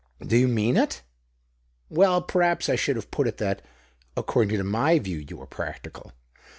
" Do you mean it ?"" Well, perhaps I should have put it that, Lccording to my view, you are practical.